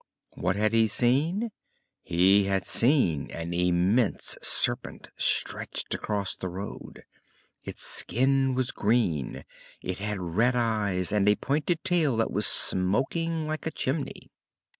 What had he seen? He had seen an immense Serpent stretched across the road. Its skin was green, it had red eyes, and a pointed tail that was smoking like a chimney.